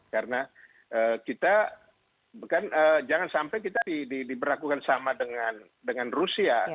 karena kita jangan sampai kita diberlakukan sama dengan rusia